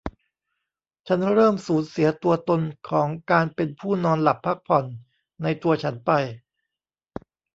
ฉันเริ่มสูญเสียตัวตนของการเป็นผู้นอนหลับพักผ่อนในตัวฉันไป